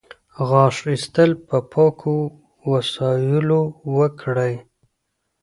غاښ ایستل په پاکو وسایلو وکړئ.